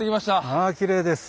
ああきれいです。